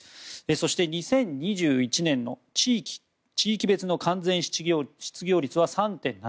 そして２０２１年の地域別の完全失業率は３．７％。